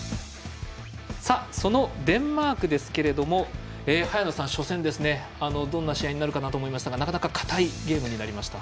そのデンマークですけれども早野さん、初戦どんな試合になるかと思いましたがなかなか堅いゲームになりました。